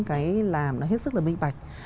cái làm nó hết sức là minh bạch